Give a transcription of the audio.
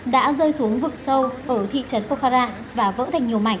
đã rơi xuống vực sâu ở thị trấn pokhara và vỡ thành nhiều mảnh